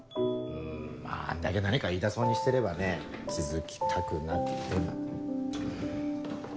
んまぁあんだけ何か言いたそうにしてればね気付きたくなくても。